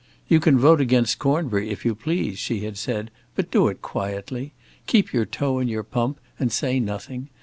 "You can vote against Cornbury, if you please," she had said, "but do it quietly. Keep your toe in your pump and say nothing.